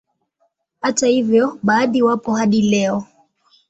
Hata hivyo baadhi wapo hadi leo